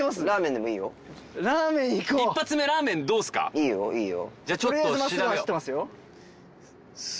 いいよいいよ。